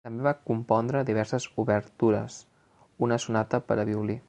També va compondre diverses obertures, una sonata per a violí.